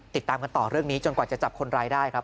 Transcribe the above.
ติดตามกันต่อเรื่องนี้จนกว่าจะจับคนร้ายได้ครับ